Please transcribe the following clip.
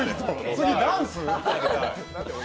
次ダンス？